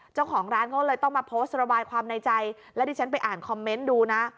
เจ้าของร้านเขาเลยต้องมาโพสต์ระบายความในใจและดิฉันไปอ่านคอมเมนต์ดูนะ